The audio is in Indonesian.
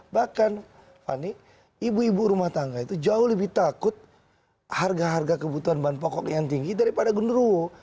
bahkan fani ibu ibu rumah tangga itu jauh lebih takut harga harga kebutuhan bahan pokok yang tinggi daripada gendurowo